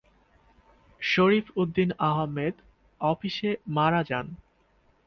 শরীফ উদ্দিন আহমেদ অফিসে মারা যান।